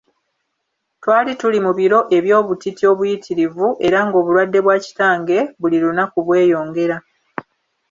Twali tuli mu biro eby'obutiti obuyitirivu era ng'obulwadde bwa kitange buli lunaku bweyongera.